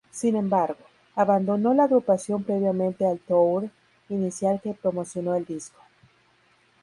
Sin embargo, abandonó la agrupación previamente al tour inicial que promocionó el disco.